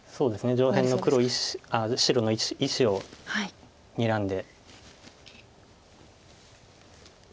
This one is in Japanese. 上辺の白の１子をにらんで。